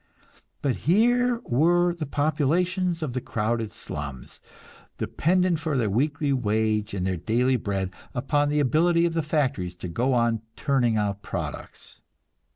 But here were the populations of the crowded slums, dependent for their weekly wage and their daily bread upon the ability of the factories to go on turning out products!